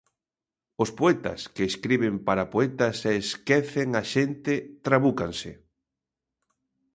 Os poetas que escriben para poetas e esquecen a xente trabúcanse.